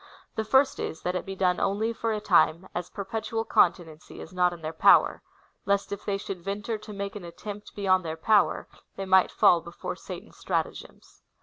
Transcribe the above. The first is, that it be done only/or a time, as perpetual continency is not in their power, lest if they should venture to make an attempt beyond their power, they might fall before Satan's stratagems.